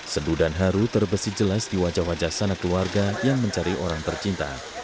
sendu dan haru terbesi jelas di wajah wajah sanak keluarga yang mencari orang tercinta